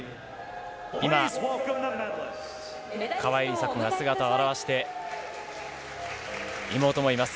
今、川井梨紗子が姿を現して、妹もいます。